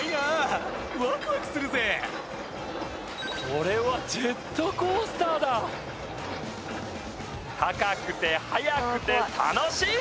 これはジェットコースターだ高くて速くて楽しい！